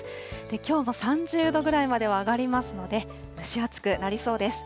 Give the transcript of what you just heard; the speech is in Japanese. きょうも３０度ぐらいまでは上がりますので、蒸し暑くなりそうです。